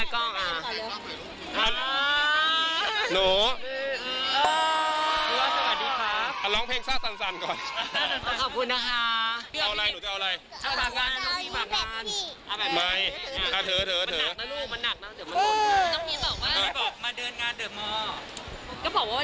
ก็บอกว่าวันนี้จะพามาดูสัตว์